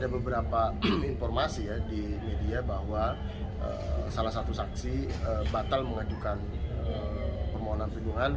ada beberapa informasi ya di media bahwa salah satu saksi batal mengajukan permohonan perlindungan